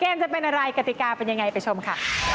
จะเป็นอะไรกติกาเป็นยังไงไปชมค่ะ